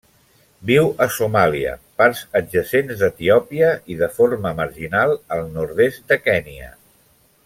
Viu a Somàlia, parts adjacents d'Etiòpia, i de forma marginal al nord-est de Kenya.